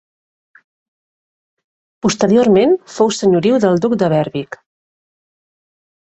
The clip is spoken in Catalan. Posteriorment fou senyoriu del duc de Berwick.